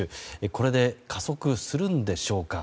これで加速するんでしょうか。